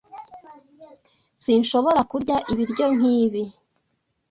Sinshobora kurya ibiryo nkibi.